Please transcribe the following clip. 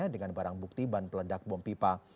dengan barang bukti ban peledak bom pipa